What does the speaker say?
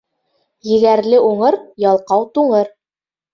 Егәрле уңыр, ялҡау туңыр.